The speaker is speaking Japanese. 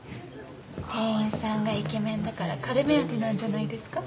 店員さんがイケメンだから彼目当てなんじゃないですか。